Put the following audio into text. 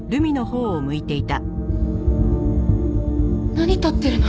何撮ってるの？